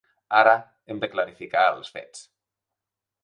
Ara hem de clarificar els fets.